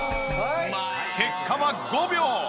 結果は５秒！